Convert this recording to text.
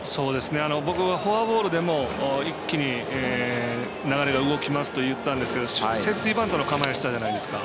僕はフォアボールでも一気に流れが動きますと言ったんですけどセーフティーバントの構えしたじゃないですか。